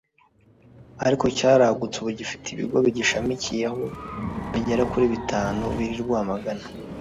ariko cyaragutse ubu gifite ibigo bigishamikiyeho bigera kuri bitanu biri i Rwamagana